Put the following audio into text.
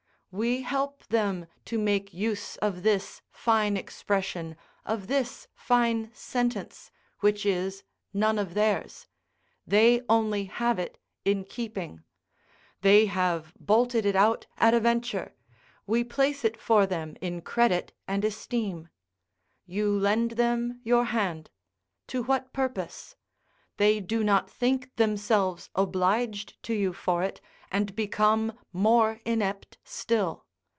We help them to make use of this fine expression, of this fine sentence, which is none of theirs; they only have it in keeping; they have bolted it out at a venture; we place it for them in credit and esteem. You lend them your hand. To what purpose? they do not think themselves obliged to you for it, and become more inept still.